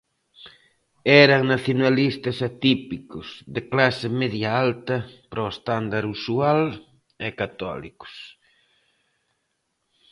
Eran nacionalistas atípicos, de clase media alta para o estándar usual e católicos.